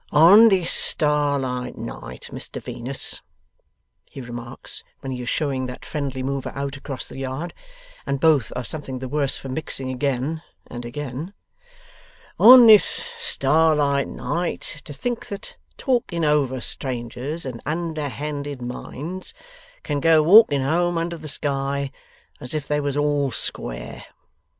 'On this starlight night, Mr Venus,' he remarks, when he is showing that friendly mover out across the yard, and both are something the worse for mixing again and again: 'on this starlight night to think that talking over strangers, and underhanded minds, can go walking home under the sky, as if they was all square!